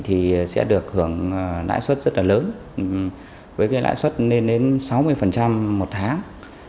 thì sẽ được hưởng lãi suất rất là lớn với cái lãi suất lên đến sáu mươi một tháng